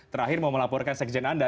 terakhir mau melaporkan sekjen anda